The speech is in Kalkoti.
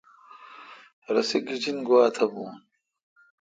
رسی گیجنگوا تھ بھو۔